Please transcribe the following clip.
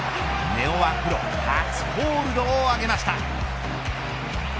根尾は、プロ初ホールドを挙げました。